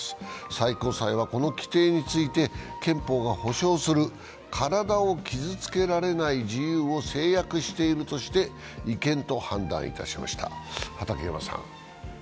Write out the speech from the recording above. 最高裁はこの規定について、憲法が保障する体を傷つけられない自由を制約しているとして、違憲と判断いたしました。